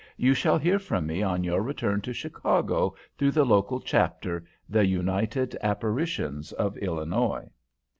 You shall hear from me on your return to Chicago through the local chapter, the United Apparitions of Illinois."